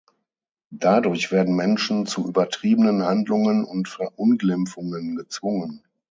Dadurch werden Menschen zu übertriebenen Handlungen und Verunglimpfungen gezwungen.